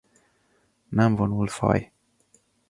Nem vonul faj.